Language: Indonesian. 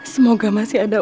semoga masih ada